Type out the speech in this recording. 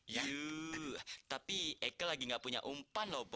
yuuu tapi ekel lagi nggak punya umpan loh bo